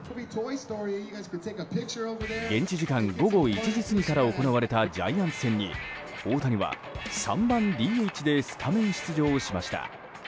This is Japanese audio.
現地時間午後１時過ぎから行われたジャイアンツ戦に大谷は、３番ＤＨでスタメン出場しました。